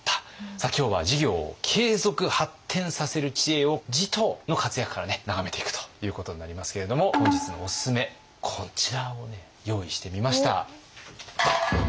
今日は事業を継続・発展させる知恵を持統の活躍から眺めていくということになりますけれども本日のおすすめこちらをね用意してみました。